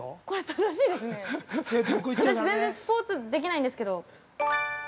私、全然スポーツ、できないんですけど。